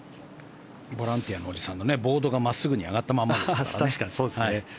ボランティアのおじさんのボードが真っすぐに上がったままでしたからね。